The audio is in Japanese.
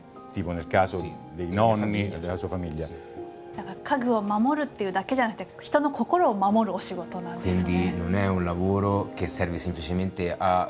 だから家具を守るっていうだけじゃなくて人の心を守るお仕事なんですね。